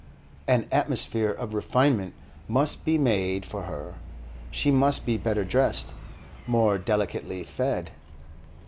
An atmosphere of refinement must be made for her; she must be better dressed, more delicately fed.